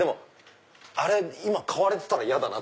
「あれ今買われてたらヤダな」。